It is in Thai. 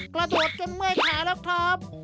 กระโดดจนเมื่อยขาแล้วครับ